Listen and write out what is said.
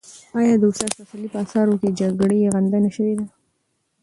آیا د استاد پسرلي په اثارو کې د جګړې غندنه شوې ده؟